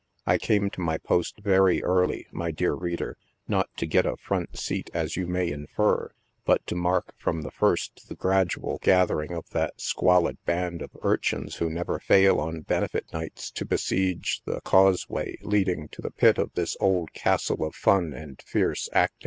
I came to my post very early, my dear reader, not to get a front seat as you may infer, but to mark from the first the gradual gather ing of that squalid band of urchins who never fail on benefit nights to besiege the causeway leading to the pit of this old castle of fun and fierce actim*.